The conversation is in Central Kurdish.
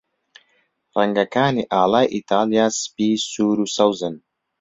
ڕەنگەکانی ئاڵای ئیتاڵیا سپی، سوور، و سەوزن.